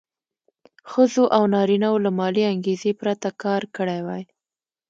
ښځو او نارینه وو له مالي انګېزې پرته کار کړی وای.